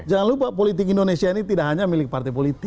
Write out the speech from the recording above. jangan lupa politik indonesia ini tidak hanya milik partai politik